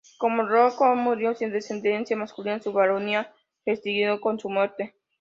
Como Lord Collingwood murió sin descendencia masculina, su baronía se extinguió con su muerte.